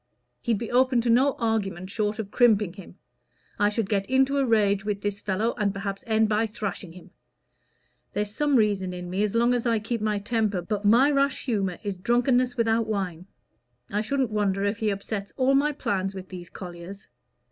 He'd be open to no argument short of crimping him. I should get into a rage with this fellow, and perhaps end by thrashing him. There's some reason in me as long as I keep my temper, but my rash humor is drunkenness without wine. I shouldn't wonder if he upsets all my plans with these colliers.